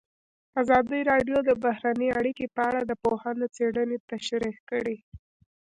ازادي راډیو د بهرنۍ اړیکې په اړه د پوهانو څېړنې تشریح کړې.